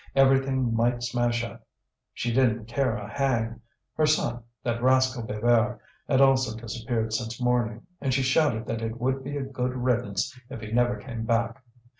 Everything might smash up, she didn't care a hang! Her son, that rascal Bébert, had also disappeared since morning, and she shouted that it would be a good riddance if he never came back.